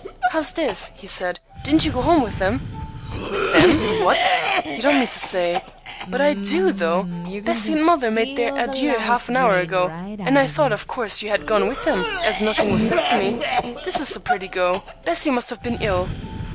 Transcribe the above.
"How's this?" he said. "Didn't you go home with them?" "With them? What! You don't mean to say—" "But I do, though! Bessie and mother made their adieux half an hour ago, and I thought of course you had gone home with them, as nothing was said to me. This is a pretty go! Bessie must have been ill."